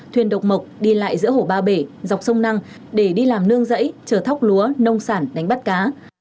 thuyền độc mộc đi lại giữa hồ ba bể dọc sông năng để đi làm nương rẫy chờ thóc lúa nông sản đánh bắt cá